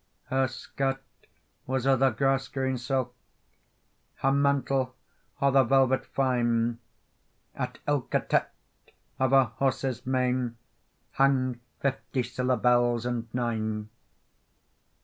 Her skirt was o the grass green silk, Her mantle o the velvet fyne, At ilka tett of her horse's mane Hang fifty siller bells and nine.